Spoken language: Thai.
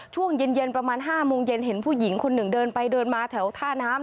ช่วงเย็นประมาณ๕โมงเย็นเห็นผู้หญิงคนหนึ่งเดินไปเดินมาแถวท่าน้ำ